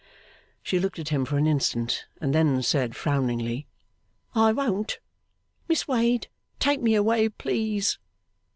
She looked at him for an instant, and then said frowningly, 'I won't. Miss Wade, take me away, please.